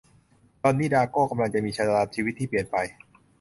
ดอนนี่ ดาร์โก้ กำลังจะมีชะตาชีวิตที่เปลี่ยนไป